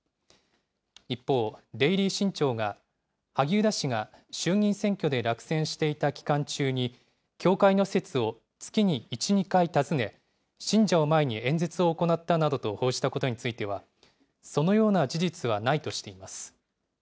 一方、デイリー新潮が、萩生田氏が衆議院選挙で落選していた期間中に、教会の施設を月に１、２回訪ね、信者を前に演説を行ったなどと報じたことについては、そのような事実はないとしています。